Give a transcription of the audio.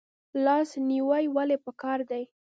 لاس نیوی ولې پکار دی؟